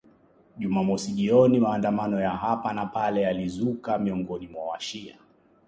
Jumamosi jioni maandamano ya hapa na pale yalizuka miongoni mwa washia